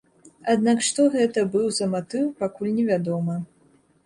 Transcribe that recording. Аднак што гэта быў за матыў, пакуль не вядома.